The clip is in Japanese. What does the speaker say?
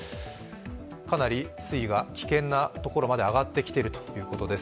かなり水位が危険なところまで上がってきているということです。